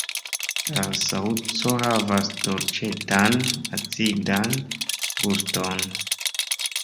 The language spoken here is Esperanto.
La saŭco havas dolĉetan-acidan guston.